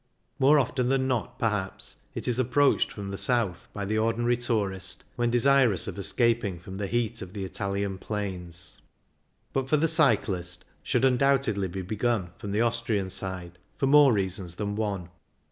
More often than not, perhaps, it is approached from the South by the ordin ary tourist when desirous of escaping from the heat of the Italian plains ; but for the 1 6 CYCLING IN THE ALPS cyclist the journey should undoubtedly be begun from the Austrian side, for more reasons than one.